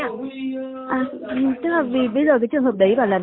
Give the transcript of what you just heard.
à tức là vì bây giờ cái trường hợp đấy bảo là đi